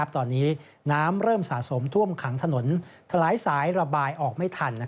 ตอนนี้น้ำเริ่มสะสมท่วมขังถนนทะลายสายระบายออกไม่ทัน